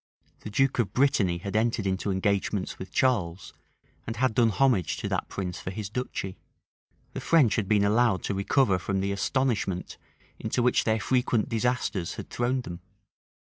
The duke of Brittany had entered into engagements with Charles, and had done homage to that prince for his duchy. The French had been allowed to recover from the astonishment into which their frequent disasters had thrown them.